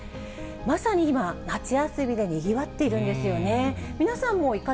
まさに今、夏休みでにぎわっているんですよね。